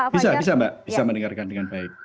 bisa bisa mbak bisa mendengarkan dengan baik